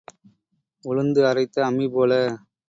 உழுந்து அரைத்த அம்மி போல.